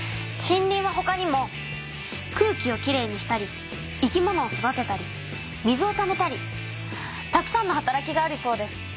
森林はほかにも空気をきれいにしたり生き物を育てたり水をためたりたくさんの働きがあるそうです。